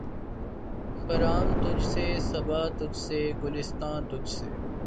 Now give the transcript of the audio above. خرام تجھ سے‘ صبا تجھ سے‘ گلستاں تجھ سے